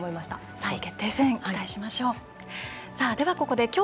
３位決定戦期待しましょう。